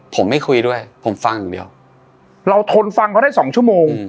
ผมไม่คุยด้วยผมฟังอย่างเดียวเราทนฟังเขาได้สองชั่วโมง